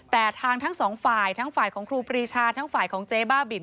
แต่ทางทั้งสองฝ่ายทั้งฝ่ายของครูปรีชาทั้งฝ่ายของเจ๊บ้าบิน